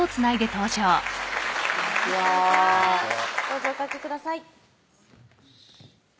どうぞおかけください